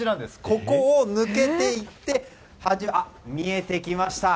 ここを抜けていって見えてきました。